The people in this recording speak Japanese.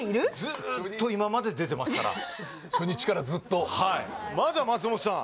ずっと今まで出てますから初日からずっとはいまずは松本さん